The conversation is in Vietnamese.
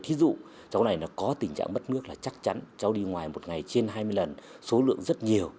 thí dụ cháu này có tình trạng mất nước là chắc chắn cháu đi ngoài một ngày trên hai mươi lần số lượng rất nhiều